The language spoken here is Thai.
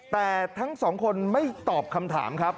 แต่ทั้งสองคนไม่ตอบคำถามครับ